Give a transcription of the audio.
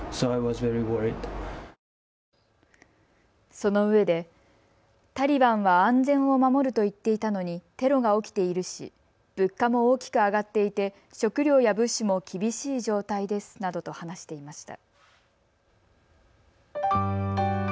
そのうえでタリバンは安全を守ると言っていたのにテロが起きているし物価も大きく上がっていて食料や物資も厳しい状態ですなどと話していました。